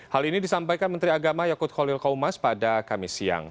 hal ini disampaikan menteri agama yakut khalil kaumas pada kamis siang